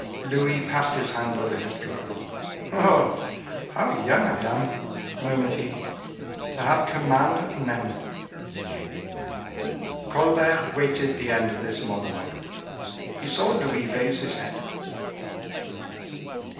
Louis passed his hand over his brow: "Oh! how young I am," murmured he, "to have command of men." Colbert waited the end of this monologue. He saw Louis raise his head.